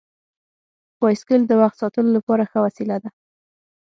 بایسکل د وخت ساتلو لپاره ښه وسیله ده.